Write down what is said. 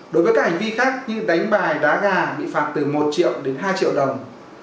đối với các hành vi khác như đánh bài đá gà bị phạt từ một triệu đến hai triệu đồng